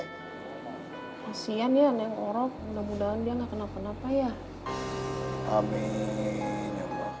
hasiah nih anak orang mudah mudahan dia gak kena penapa ya